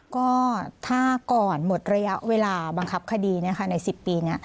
ก็ถ้าก่อนหมดระยะเวลาบังคับคดีใน๑๐ปีนี้